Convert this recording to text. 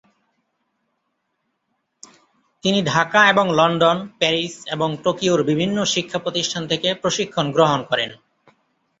তিনি ঢাকা এবং London, Paris এবং টোকিওর বিভিন্ন শিক্ষা প্রতিষ্ঠান থেকে প্রশিক্ষণ গ্রহণ করেন।